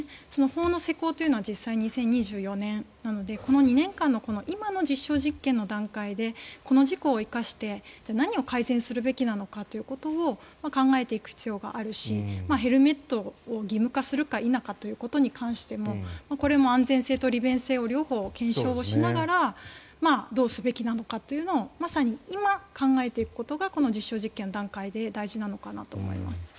法の施行というのは２０２４年なのでこの２年間の今の実証実験の段階でこの事故を生かして何を改善するべきなのかを考えていく必要があるしヘルメットを義務化するか否かということに関してもこれも安全性と利便性を両方検証をしながらどうすべきなのかというのをまさに今、考えていくことがこの実証実験の段階で大事なのかなと思います。